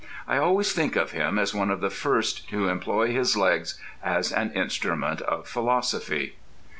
I always think of him as one of the first to employ his legs as an instrument of philosophy.